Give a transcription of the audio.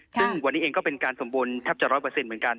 ซึ่งวันนี้เองก็เป็นการสมบูรณ์แทบจะร้อยเปอร์เซ็นต์เหมือนกัน